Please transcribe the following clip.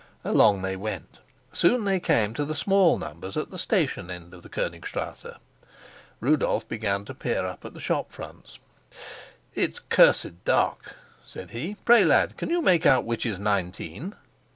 Along they went; soon they came to the small numbers at the station end of the Konigstrasse. Rudolf began to peer up at the shop fronts. "It's cursed dark," said he. "Pray, lad, can you make out which is nineteen?"